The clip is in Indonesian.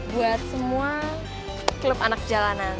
buat semua klub anak jalanan